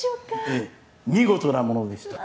ええ見事なものでした。